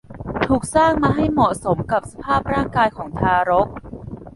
ถูกสร้างมาให้เหมาะสมกับสภาพร่างกายของทารก